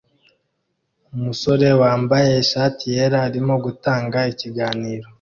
Umusore wambaye ishati yera arimo gutanga ikiganiro